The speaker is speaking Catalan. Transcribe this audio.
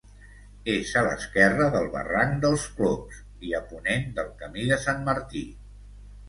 És a l'esquerra del barranc dels Clops i a ponent del Camí de Sant Martí.